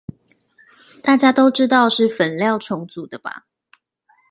大家都知道是粉料重組的吧